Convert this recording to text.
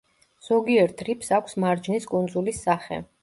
ზოგიერთ რიფს აქვს მარჯნის კუნძულის სახე.